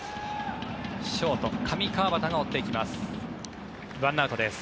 ショート、上川畑が追っていきます。